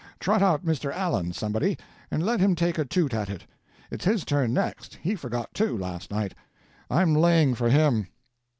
Trot out Mr. Allen, somebody, and let him take a toot at it. It's his turn next, he forgot, too, last night. I'm laying for him."